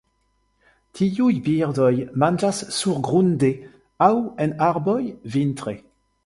Tiuj birdoj manĝas surgrunde aŭ en arboj vintre.